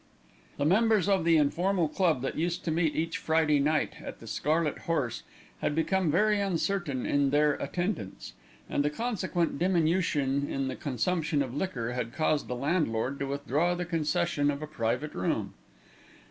The members of the informal club that used to meet each Friday night at The Scarlet Horse had become very uncertain in their attendance, and the consequent diminution in the consumption of liquor had caused the landlord to withdraw the concession of a private room.